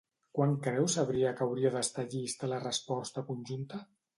Quan creu Sabrià que hauria d'estar llista la resposta conjunta?